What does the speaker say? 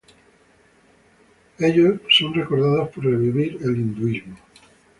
Ellos son recordados por revivir el hinduismo.